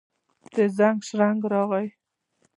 د زنګ شرنګی راغلي